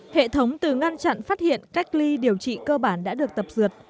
hệ thống từ ngăn chặn phát hiện cách ly điều trị cơ bản đã được tập dượt